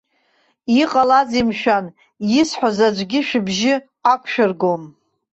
Иҟалазеи, мшәан, исҳәаз аӡәгьы шәыбжьы ақәшәыргом!